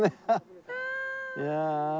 いや。